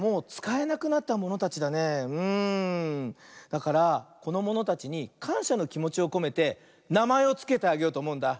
だからこのものたちにかんしゃのきもちをこめてなまえをつけてあげようとおもうんだ。